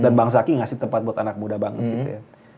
dan bang zaky ngasih tempat buat anak muda banget gitu ya